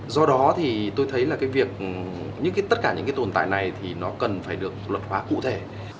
do đó thì tôi thấy là cái việc tất cả những cái tồn tại này thì nó cần phải được luật hóa cụ thể